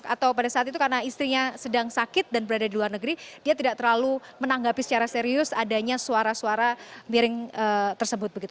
atau pada saat itu karena istrinya sedang sakit dan berada di luar negeri dia tidak terlalu menanggapi secara serius adanya suara suara miring tersebut begitu